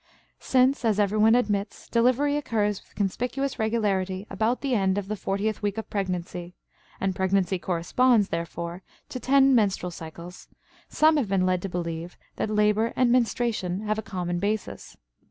Since, as everyone admits, delivery occurs with conspicuous regularity about the end of the fortieth week of pregnancy, and pregnancy corresponds, therefore, to ten menstrual cycles, some have been led to believe that labor and menstruation have a common basis.